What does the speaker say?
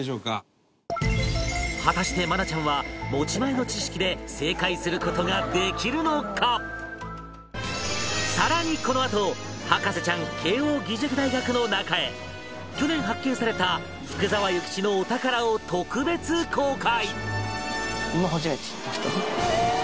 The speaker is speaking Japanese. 果たして愛菜ちゃんは更にこのあと博士ちゃん慶應義塾大学の中へ去年発見された福沢諭吉のお宝を特別公開！